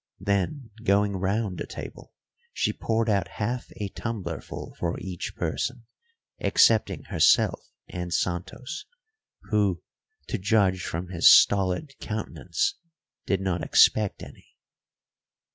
Then, going round the table, she poured out half a tumblerful for each person, excepting herself and Santos, who, to judge from his stolid countenance, did not expect any.